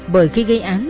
bởi khi gây án